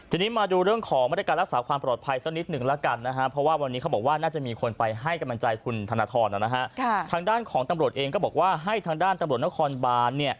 ทีนี้มาดูเรื่องของบริการรักษาความปลอดภัยสักนิดหนึ่งแล้วกันนะฮะ